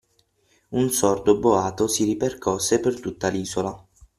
Un sordo boato si ripercosse per tutta l'isola.